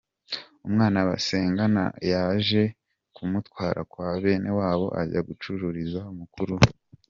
Umwana basenganaga yaje kumutwara kwa bene wabo, ajya gucururiza mukuru we.